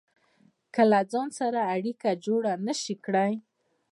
که له ځان سره اړيکه جوړه نشئ کړای.